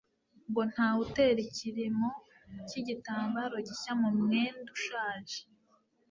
ngo : "Ntawe utera ikiremo cy'igitambaro gishya mu mwenda ushaje,